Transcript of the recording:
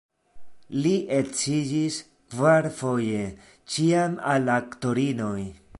Li edziĝis kvarfoje, ĉiam al aktorinoj.